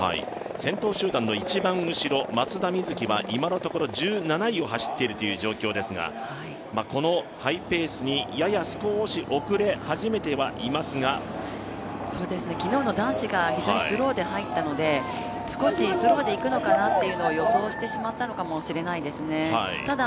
先頭集団の一番後ろ松田瑞生は今のところ１７位を走っているという状況ですがこのハイペースに、やや少し遅れ始めてはいますが昨日の男子が非常にスローで入ったので少しスローで行くのかなと予想してしまったのかもしれないですね。